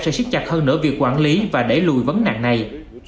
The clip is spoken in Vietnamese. sẽ siết chặt hơn nữa việc quản lý và đẩy lùi vấn nặng này